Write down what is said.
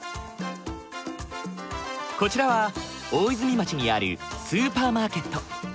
こちらは大泉町にあるスーパーマーケット。